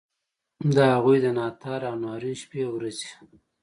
د هغوی د ناتار او ناورین شپې ورځي.